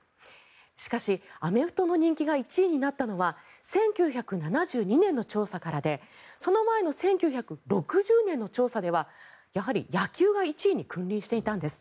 しかし、アメフトの人気が１位になったのは１９７２年の調査からでその前の１９６０年の調査ではやはり野球が１位に君臨していたんです。